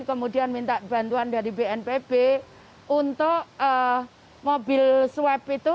kemudian minta bantuan dari bnpb untuk mobil swab itu